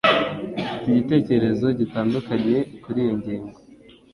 Mfite igitekerezo gitandukanye kuriyi ngingo.